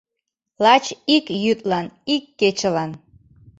Лач ик йÿдлан, ик кечылан.